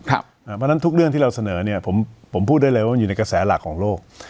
เพราะฉะนั้นทุกเรื่องที่เราเสนอเนี่ยผมพูดได้เลยว่ามันอยู่ในกระแสหลักของโลก